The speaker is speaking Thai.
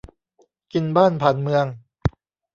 กินบ้านผ่านเมือง